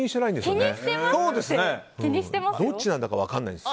どっちなんだか分からないんです。